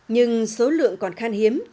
nhưng số lượng còn khan hiếm